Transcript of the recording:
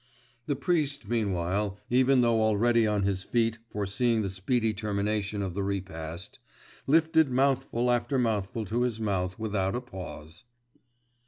The priest, meanwhile, even though already on his feet, foreseeing the speedy termination of the repast, lifted mouthful after mouthful to his mouth without a pause.